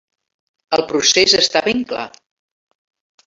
El procés està ben clar.